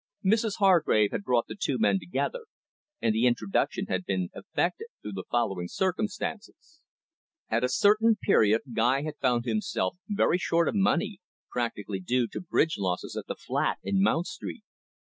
Mrs Hargrave had brought the two men together, and the introduction had been effected through the following circumstances. At a certain period, Guy had found himself very short of money, practically due to bridge losses at the flat in Mount Street.